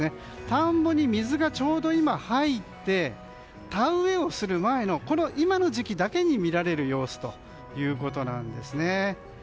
田んぼに水がちょうど今、入って田植えをする前の今の時期にだけ見られる様子ということなんです。